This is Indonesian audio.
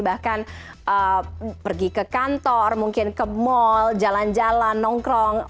bahkan pergi ke kantor mungkin ke mall jalan jalan nongkrong